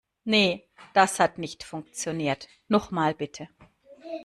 Nee, das hat nicht funktioniert. Nochmal bitte.